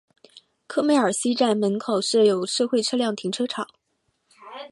科梅尔西站门口设有社会车辆停车场。